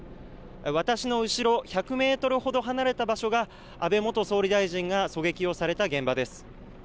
私の後ろ１００メートルほど離れた場所が安倍元総理大臣が狙撃をされた現場です。